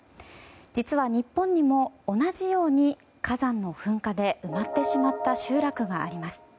実は日本にも同じように火山の噴火で、埋まってしまった集落があります。